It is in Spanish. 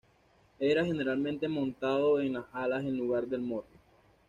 Era generalmente montado en las alas en lugar del morro.